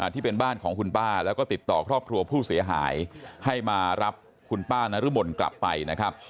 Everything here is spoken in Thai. ที่เป็นบ้านของคุณป้าแล้วก็ติดต่อครอบครัวผู้เสียหายให้มารับคุณป้านรมนกลับไปนะครับ